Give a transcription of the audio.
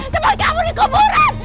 tempat kamu di kuburan